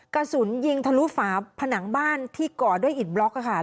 กระสุนยิงทะลุฝาผนังบ้านที่ก่อด้วยอิดบล็อกค่ะ